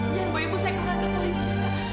jangan bawa ibu saya ke kantor polisi